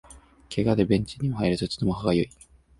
ケガでベンチにも入れずとても歯がゆい